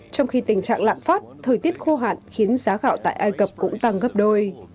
trong khi tình trạng lạm phát thời tiết khô hạn khiến giá gạo tại ai cập cũng tăng gấp đôi